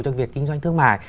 trong việc kinh doanh thương mại